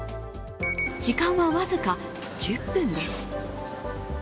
時間は僅か１０分です。